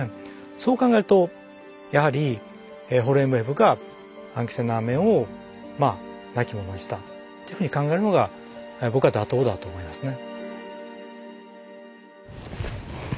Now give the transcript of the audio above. そう考えるとやはりホルエムヘブがアンケセナーメンを亡き者にしたというふうに考えるのが僕は妥当だと思いますね。